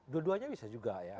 dua duanya bisa juga ya